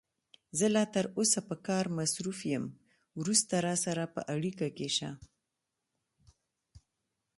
زه لا تر اوسه په کار مصروف یم، وروسته راسره په اړیکه کې شه.